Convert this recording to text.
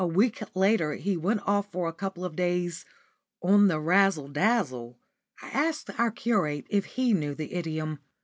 A week later he went off for a couple of days "on the razzle dazzle." I asked our curate if he knew the idiom.